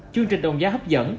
chương trình đồng giá hấp dẫn